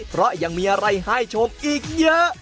เพราะยังมีอะไรให้ชมอีกเยอะ